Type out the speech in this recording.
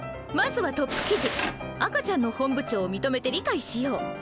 まずはトップ記事「赤ちゃんの本部長を認めて理解しよう！」。